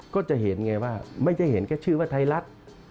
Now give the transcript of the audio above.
ก็จะเห็นไงว่าไม่ใช่เห็นแค่ชื่อว่าไทยรัฐ